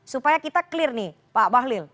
supaya kita clear nih pak bahlil